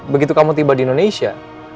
begitu kamu tiba di indonesia